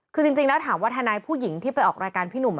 คือจริงแล้วถามว่าทนายผู้หญิงที่ไปออกรายการพี่หนุ่ม